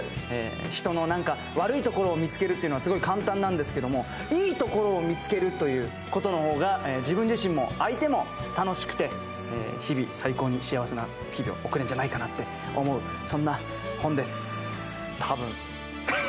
人の悪いところを見つけるというのは簡単なんですけれどもいいところを見つけることの方が自分自身も相手も楽しくて、最高に幸せな日々を送れるんじゃないかなという、そんな本ですたぶん。